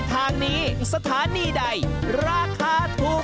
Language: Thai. ขอบคุณค่ะ